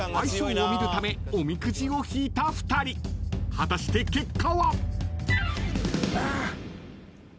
［果たして結果は？］ああ。